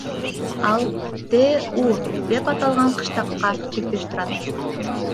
Ал ДЭУ деп аталган кыштакка чектеш турат.